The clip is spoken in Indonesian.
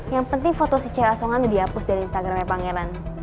yang penting foto si c a songan udah dihapus dari instagramnya pangeran